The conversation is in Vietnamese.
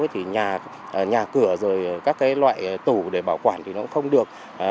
thì nhà cửa rồi các loại tủ để bảo quản thì nó cũng không được